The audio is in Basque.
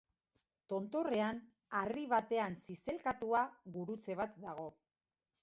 Tontorrean, harri batean zizelkatua, gurutze bat dago.